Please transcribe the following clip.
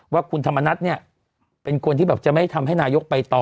ว่าคุณธรรมนัฐเนี่ยเป็นคนที่แบบจะไม่ทำให้นายกไปต่อ